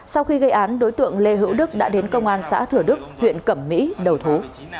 sau khi gây án đối tượng lê hữu đức đã đến công an xã thửa đức huyện cẩm mỹ đầu thú